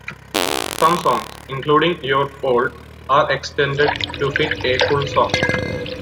Some songs, including "You're Old," are extended to fit a full song.